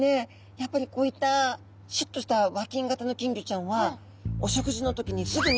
やっぱりこういったシュッとした和金型の金魚ちゃんはお食事の時にすぐに食べに行きます。